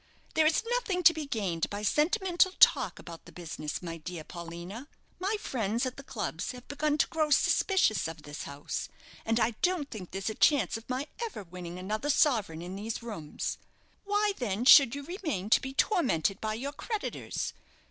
There's nothing to be gained by sentimental talk about the business, my dear Paulina. My friends at the clubs have begun to grow suspicious of this house, and I don't think there's a chance of my ever winning another sovereign in these rooms. Why, then, should you remain to be tormented by your creditors?